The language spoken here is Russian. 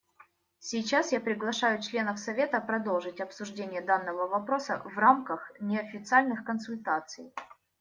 Сейчас я приглашаю членов Совета продолжить обсуждение данного вопроса в рамках неофициальных консультаций.